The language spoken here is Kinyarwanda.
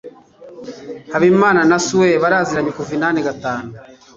habimana na sue baraziranye kuva inani gatanu